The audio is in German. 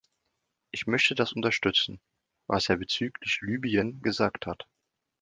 Ich möchte das unterstützen, was er bezüglich Libyen gesagt hat.